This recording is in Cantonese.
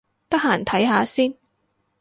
得閒睇下先